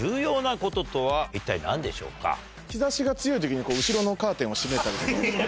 日差しが強い時に後ろのカーテンを閉めたりする。